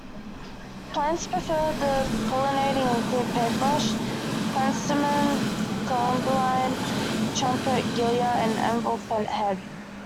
Plants preferred for pollinating include paintbrush, penstemon, columbine, trumpet gilia, and elephant head.